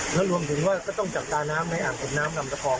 และรวมถึงก็ต้องจับตาน้ำในอังกฏน้ำนำสะพอง